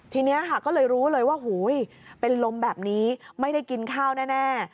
ทีนี้ค่ะก็เลยรู้เลยว่าเป็นลมแบบนี้ไม่ได้กินข้าวแน่